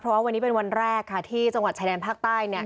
เพราะว่าวันนี้เป็นวันแรกค่ะที่จังหวัดชายแดนภาคใต้